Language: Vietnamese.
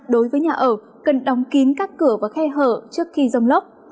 đối với nhà ở cần đóng kín các cửa và khe hở trước khi dông lốc